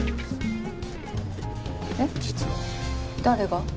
誰が？